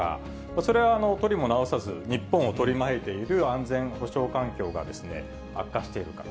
それはとりもなおさず、日本を取り巻いている安全保障環境が、悪化しているから。